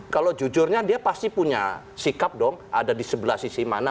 kalau jujurnya dia pasti punya sikap dong ada di sebelah sisi mana